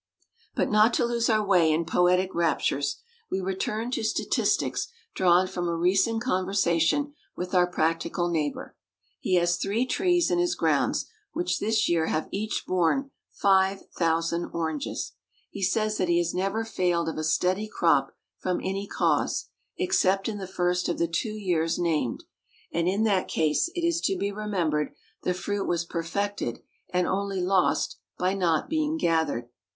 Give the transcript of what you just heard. But, not to lose our way in poetic raptures, we return to statistics drawn from a recent conversation with our practical neighbor. He has three trees in his grounds, which this year have each borne five thousand oranges. He says that he has never failed of a steady crop from any cause, except in the first of the two years named; and, in that case, it is to be remembered the fruit was perfected, and only lost by not being gathered.